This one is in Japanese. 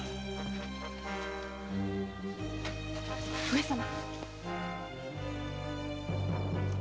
上様！